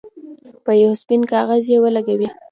په یو سپین کاغذ یې ولګوئ.